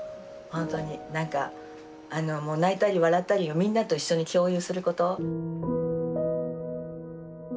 ほんとに何かあのもう泣いたり笑ったりをみんなと一緒に共有すること。